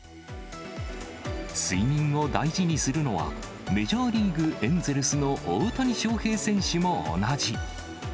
睡眠を大事にするのは、メジャーリーグ・エンゼルスの大谷翔平選手も同じ。